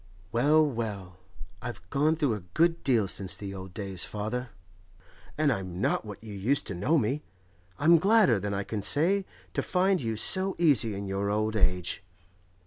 Well, well; I've gone through a good deal since the old days, father, and I'm not what you used to know me. I'm gladder than I can say to find you so easy in your old age.